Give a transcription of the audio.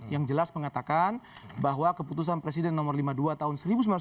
yang jelas mengatakan bahwa keputusan presiden nomor lima puluh dua tahun seribu sembilan ratus sembilan puluh